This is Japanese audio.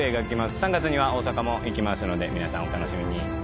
３月には大阪も行きますので皆さんお楽しみに。